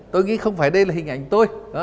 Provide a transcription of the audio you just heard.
tôi nghĩ không phải đây là hình ảnh tôi